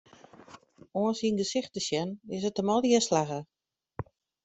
Oan syn gesicht te sjen, is it him allegear slagge.